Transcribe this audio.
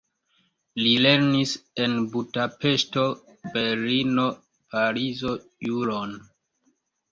Li lernis en Budapeŝto, Berlino, Parizo juron.